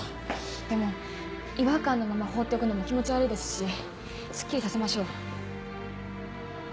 でも違和感のまま放っておくのも気持ち悪いですしスッキリさせましょう。